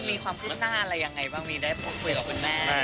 มีความคืบหน้าอะไรยังไงบ้างมีได้พูดคุยกับคุณแม่